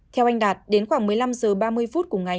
theo anh đạt đến khoảng một h ba mươi phút